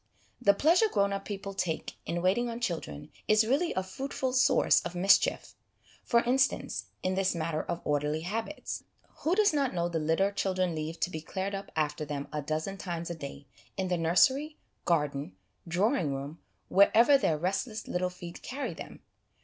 The pleasure grown up people take in waiting on children is really a fruitful source of mischief; for instance, in this matter of orderly habits. Who does not know the litter the children leave to be cleared up after them a dozen times a day, in the nursery, garden, drawing room, wherever their restless little feet carry them?